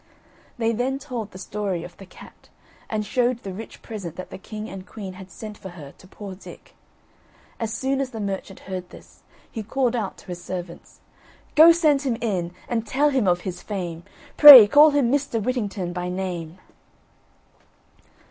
They then told the story of the cat, and showed the rich present that the king and queen had sent for her to poor Dick. As soon as the merchant heard this, he called out to his servants: "Go send him in, and tell him of his fame; Pray call him Mr. Whittington by name."